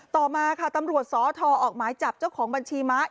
ต่อมาค่ะตำรวจสทออกหมายจับเจ้าของบัญชีม้า